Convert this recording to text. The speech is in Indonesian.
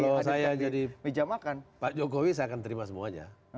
kalau saya jadi pak jokowi saya akan terima semuanya